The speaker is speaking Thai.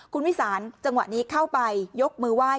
คุณวิสานจังหวะนี้เข้าไปยกมือไหว้